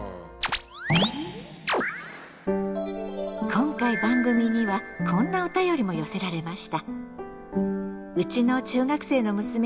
今回番組にはこんなお便りも寄せられました。